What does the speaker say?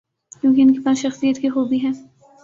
کیونکہ ان کے پاس شخصیت کی خوبی ہے۔